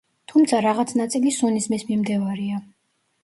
თუმცა რაღაც ნაწილი სუნიზმის მიმდევარია.